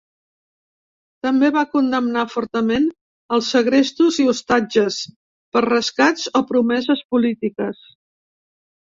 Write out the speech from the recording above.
També va condemnar fortament els segrestos i ostatges per rescats o promeses polítiques.